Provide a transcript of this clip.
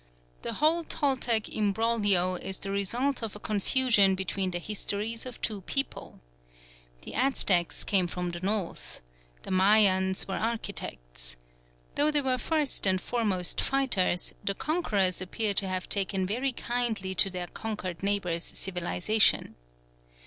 The whole Toltec imbroglio is the result of a confusion between the histories of two peoples. The Aztecs came from the north: the Mayans were architects. Though they were first and foremost fighters, the conquerors appear to have taken very kindly to their conquered neighbours' civilisation.